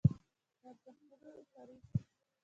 د ارزښتونو توپير.